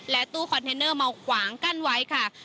ตู้คอนเทนเนอร์มาขวางกั้นไว้ค่ะ